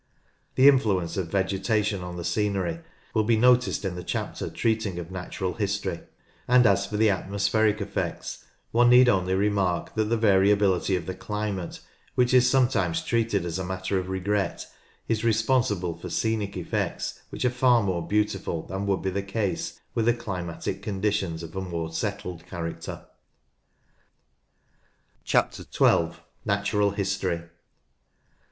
The influence of vegetation on the scenery will be noticed in the chapter treating of Natural History, and as for the atmospheric effects, one need only remark that the SCENERY 69 variability of the climate, which is sometimes treated as a matter of regret, is responsible for scenic effects which arc far more beautiful than would be the case were the climatic conditions of a more settled character. 12. Natural History.